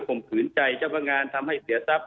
ผมขื่นใจเจ้าพนักงานสำหรับสิ่งเหลือเสียทรัพย์